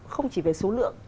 không chỉ về số lượng